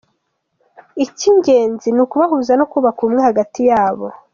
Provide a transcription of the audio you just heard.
Icy’ingenzi ni ukubahuza no kubaka ubumwe hagati yabo.